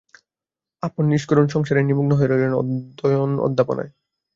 আপন নিষ্করুণ সংসারে নিমগ্ন হয়ে রইলেন অধ্যয়ন-অধ্যাপনায়।